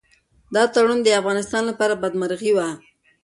دا تړون د افغانستان لپاره بدمرغي وه.